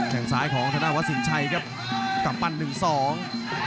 แข่งซ้ายของทดาวะสินชัยครับกลับปันหนึ่งสอง